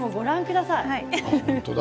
本当だ。